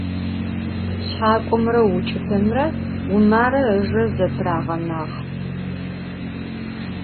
Şshak'omre vuç'ıtemre Vumare ıjje zetırağenağe.